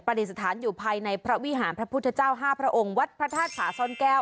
ดิษฐานอยู่ภายในพระวิหารพระพุทธเจ้า๕พระองค์วัดพระธาตุผาซ่อนแก้ว